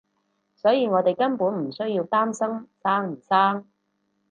所以我哋根本唔需要擔心生唔生